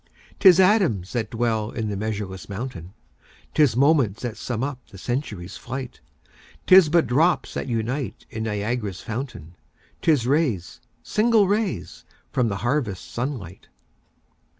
'Tis atoms that dwell in the measureless mountain, 'Tis moments that sum up the century's flight; 'Tis but drops that unite in Niagara's fountain, 'Tis rays, single rays, from the harvest sun light.